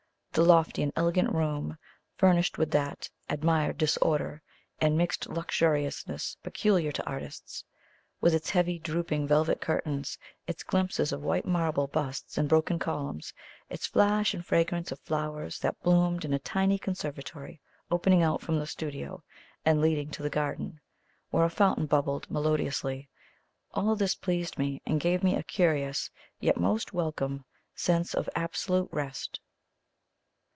The lofty and elegant room, furnished with that "admired disorder" and mixed luxuriousness peculiar to artists, with its heavily drooping velvet curtains, its glimpses of white marble busts and broken columns, its flash and fragrance of flowers that bloomed in a tiny conservatory opening out from the studio and leading to the garden, where a fountain bubbled melodiously all this pleased me and gave me a curious, yet most welcome, sense of absolute rest.